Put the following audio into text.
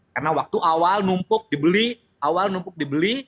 karena waktu awal numpuk dibeli awal numpuk dibeli